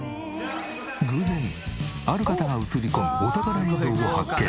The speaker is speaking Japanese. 偶然ある方が映り込むお宝映像を発見！